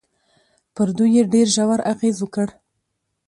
پر دوی يې ډېر ژور اغېز وکړ.